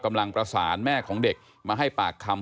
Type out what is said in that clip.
กำลังประสานแม่ของเด็กมาให้ปากคำ